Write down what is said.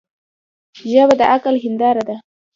ژبه د عقل هنداره ده